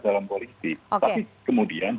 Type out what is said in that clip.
dalam politik tapi kemudian